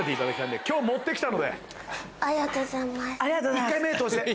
１回目通して。